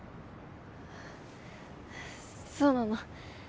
そうなの。